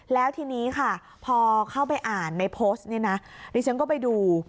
แล้วทีนี้ค่ะพอเข้าไปอ่านในโพสต์เนี่ยนะดิฉันก็ไปดู